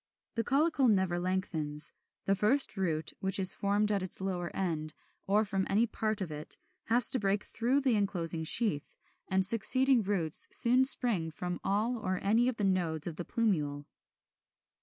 The caulicle never lengthens: the first root, which is formed at its lower end, or from any part of it, has to break through the enclosing sheath; and succeeding roots soon spring from all or any of the nodes of the plumule.